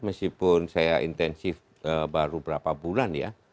meskipun saya intensif baru berapa bulan ya